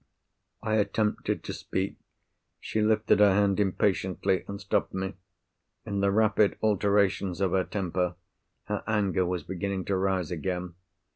I attempted to speak. She lifted her hand impatiently, and stopped me. In the rapid alternations of her temper, her anger was beginning to rise again.